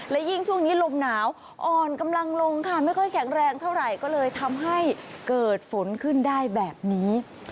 และยิ่งช่วงนี้ลมหนาวอ่อนกำลังลงค่ะไม่ค่อยแข็งแรงเท่าไหร่ก็เลยทำให้เกิดฝนขึ้นได้แบบนี้